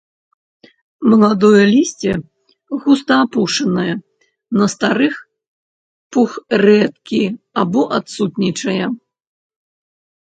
Маладое лісце густа апушанае, на старых пух рэдкі або адсутнічае.